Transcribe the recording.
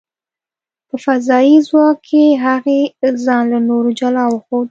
په فضايي ځواک کې، هغې ځان له نورو جلا وښود .